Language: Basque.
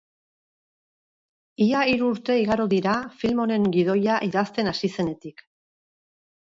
Ia hiru urte igaro dira film honen gidoia idazten hasi zenetik.